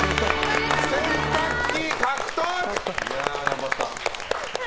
洗濯機、獲得！